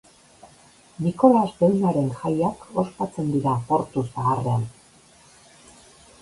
Nikolas Deunaren jaiak ospatzen dira Portu Zaharrean.